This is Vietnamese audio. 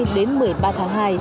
đến một mươi ba tháng hai